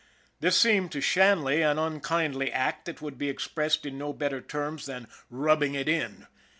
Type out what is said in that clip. This seemed to Shanley an unkindly act that could be expressed in no better terms than " rubbing it in."